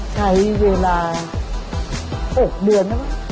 ใช้เวลา๖เดือนมั้ง